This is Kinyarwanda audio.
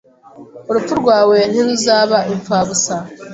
Urupfu rwawe ntiruzaba impfabusa.